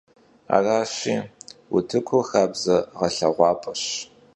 Araşi, vutıkur xabze ğelheğuap'eş.